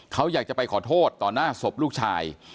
เขาอยากจะไปขอโทษต่อหน้าศพลูกชาย